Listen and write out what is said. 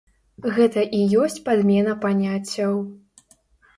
Гэта і ёсць падмена паняццяў.